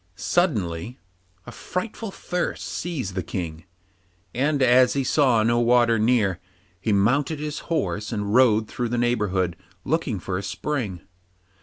Suddenly a frightful thirst seized the King, and as he saw no water near, he mounted his horse, and rode through the neighbourhood looking for a spring.